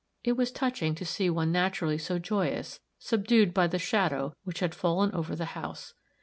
It was touching to see one naturally so joyous, subdued by the shadow which had fallen over the house.